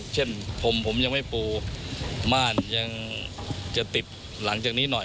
เช่นผมผมยังไม่ปูม่านยังจะติดหลังจากนี้หน่อย